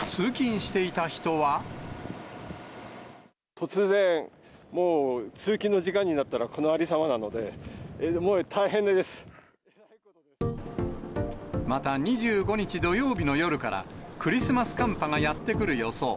突然、もう通勤の時間になったら、このありさまなので、もう大変でまた、２５日土曜日の夜から、クリスマス寒波がやって来る予想。